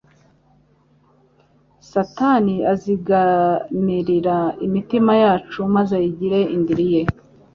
Satani azigamrira imitima yacu maze ayigire indiri ye.